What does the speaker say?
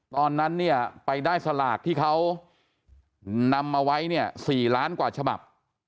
ตอนนั้นเนี่ยไปได้สลากที่เขานำมาไว้เนี่ย๔ล้านกว่าฉบับ